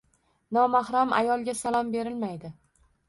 Nomahram ayollarga salom berilmaydi.